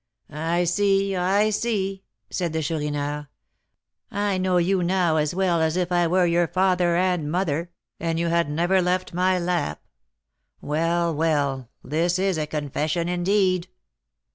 "I see, I see," said the Chourineur; "I know you now as well as if I were your father and mother, and you had never left my lap. Well, well, this is a confession indeed!"